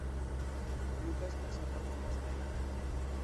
Lucas pasou por Compostela.